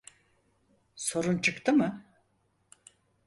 Sorun çıktı mı?